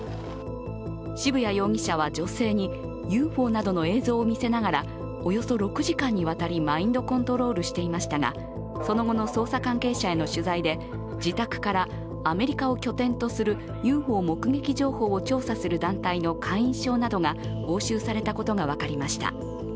渋谷容疑者は女性にＵＦＯなどの映像を見せながら、およそ６時間にわたりマインドコントロールしていましたが、その後の捜査関係者への取材で自宅からアメリカを拠点とするＵＦＯ目撃情報を調査する団体の会員証などが押収されたことが分かりました。